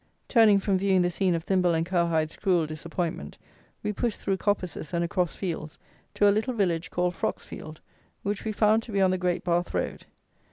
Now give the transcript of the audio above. Turning from viewing the scene of Thimble and Cowhide's cruel disappointment, we pushed through coppices and across fields, to a little village, called Froxfield, which we found to be on the great Bath Road.